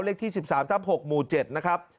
เลขที่๑๓ทับ๖หมู่๗นะครับ